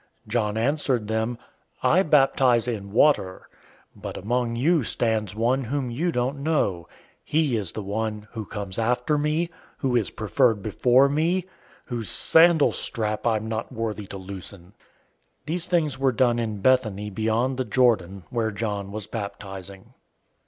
001:026 John answered them, "I baptize in water, but among you stands one whom you don't know. 001:027 He is the one who comes after me, who is preferred before me, whose sandal strap I'm not worthy to loosen." 001:028 These things were done in Bethany beyond the Jordan, where John was baptizing.